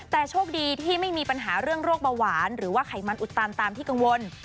แต่โชคดีที่ไม่มีปัญหาเรื่องโรคเบาหวานหรือว่าไขมันอุดตันตามที่กังวล